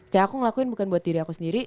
kayak aku ngelakuin bukan buat diri aku sendiri